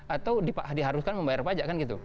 atau diharuskan membayar pajak